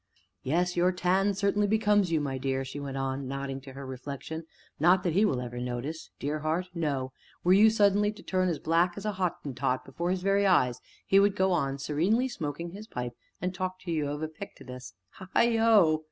"Yes, your tan certainly becomes you, my dear," she went on, nodding to her reflection; "not that he will ever notice dear heart, no! were you suddenly to turn as black as a Hottentot before his very eyes he would go on serenely smoking his pipe, and talk to you of Epictetus heighho!"